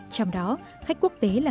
trong đó khách quốc gia